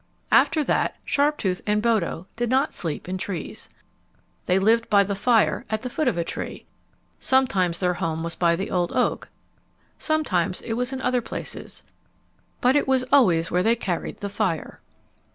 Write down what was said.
After that Sharptooth and Bodo did not sleep in trees. They lived by the fire at the foot of a tree. Sometimes their home was by the old oak. Sometimes it was in other places. But it was always where they carried the fire.